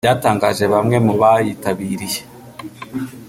byatangaje bamwe mu bayitabiriye